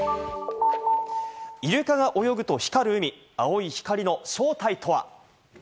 イルカが泳ぐと光る海、青い光の正体とは？